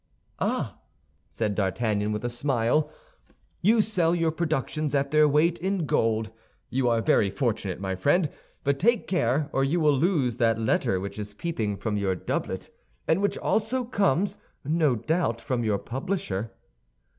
"Ah!" said D'Artagnan with a smile, "you sell your productions at their weight in gold. You are very fortunate, my friend; but take care or you will lose that letter which is peeping from your doublet, and which also comes, no doubt, from your publisher."